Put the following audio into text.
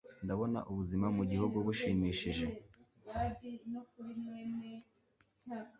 Ndabona ubuzima mu gihugu bushimishije